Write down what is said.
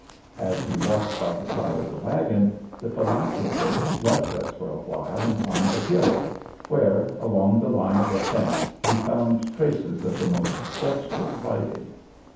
As we walked by the side of the wagon, the Philanthropist left us for a while and climbed a hill, where, along the line of a fence, he found traces of the most desperate fighting.